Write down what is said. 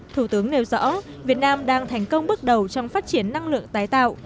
thủ tướng nêu rõ việt nam đang thành công bước đầu trong phát triển năng lượng tái tạo